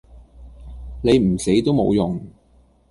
你唔死都無用